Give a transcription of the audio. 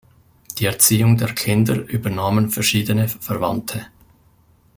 Die Erziehung der Kinder übernahmen verschiedene Verwandte.